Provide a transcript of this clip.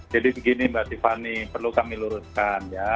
jadi begini mbak tiffany perlu kami luruskan ya